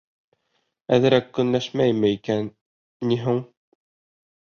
Әҙерәк көнләшмәйме икән ни һуң?